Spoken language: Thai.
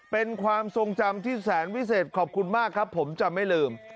เป็นความทรงจำที่แสนวิเศษขอบคุณมากครับผมจะไม่ลืม